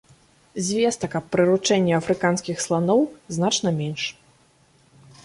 Звестак аб прыручэнні афрыканскіх сланоў значна менш.